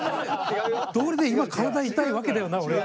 どうりで今体痛いわけだよな俺。